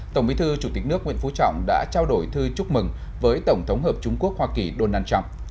tổng bí thư chủ tịch nước nguyễn phú trọng đã trao đổi thư chúc mừng với tổng thống hợp chúng quốc hoa kỳ đô năn trọng